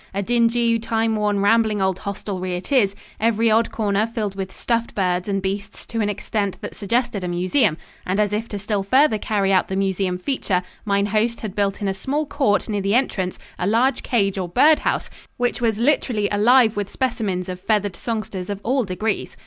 A dingy, time worn, rambling old hostelry it is, every odd corner filled with stuffed birds and beasts to an extent that suggested a museum, and as if to still further carry out the museum feature, mine host had built in a small court near the entrance a large cage or bird house which was literally alive with specimens of feathered songsters of all degrees.